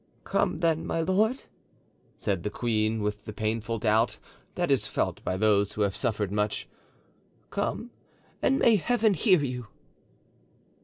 "Come then, my lord," said the queen, with the painful doubt that is felt by those who have suffered much; "come, and may Heaven hear you."